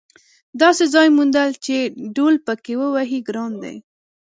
داسې ځای موندل چې ډهل پکې ووهې ګران دي.